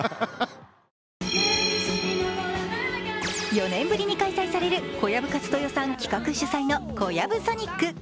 ４年ぶりに開催される小籔千豊さん企画・主催のＫＯＹＡＢＵＳＯＮＩＣ。